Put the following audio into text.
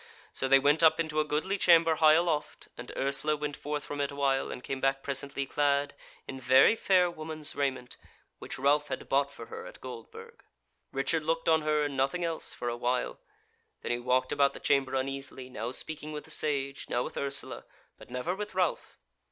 So they went up into a goodly chamber high aloft; and Ursula went forth from it awhile, and came back presently clad in very fair woman's raiment, which Ralph had bought for her at Goldburg. Richard looked on her and nothing else for a while; then he walked about the chamber uneasily, now speaking with the Sage, now with Ursula, but never with Ralph.